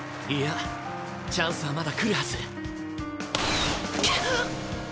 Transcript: いやチャンスはまだくるはず。